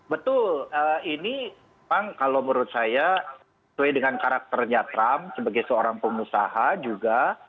betul ini memang kalau menurut saya sesuai dengan karakternya trump sebagai seorang pengusaha juga